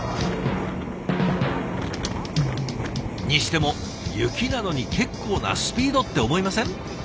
にしても雪なのに結構なスピードって思いません？